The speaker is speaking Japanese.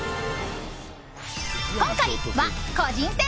今回は個人戦。